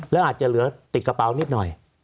สวัสดีครับทุกคน